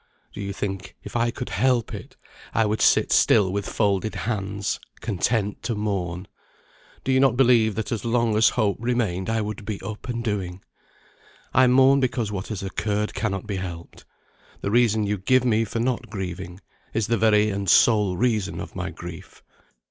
Do you think if I could help it, I would sit still with folded hands, content to mourn? Do you not believe that as long as hope remained I would be up and doing? I mourn because what has occurred cannot be helped. The reason you give me for not grieving, is the very and sole reason of my grief.